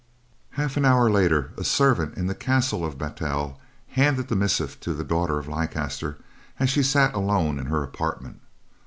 Half an hour later, a servant in the castle of Battel handed the missive to the daughter of Leicester as she sat alone in her apartment.